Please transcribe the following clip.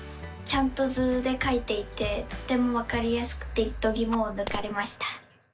ちゃんと図でかいていてとてもわかりやすくてどぎもをぬかれました！